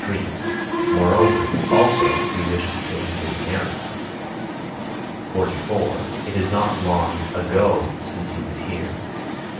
Moreover, (also) we wish to say he was in error. 44. It is not long (ago) since he was here.